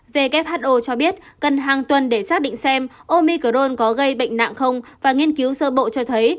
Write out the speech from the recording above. who cho biết cần hàng tuần để xác định xem omicrone có gây bệnh nặng không và nghiên cứu sơ bộ cho thấy